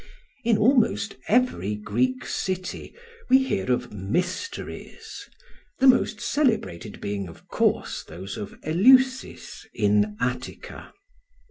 In almost every Greek city we hear of "mysteries", the most celebrated being, of course, those of Eleusis in Attica.